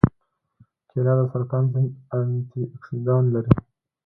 کېله د سرطان ضد انتياکسیدان لري.